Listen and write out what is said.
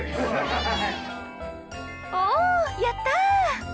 おやった！